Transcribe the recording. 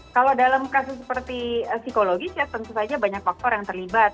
kalau dalam kasus seperti psikologis ya tentu saja banyak faktor yang terlibat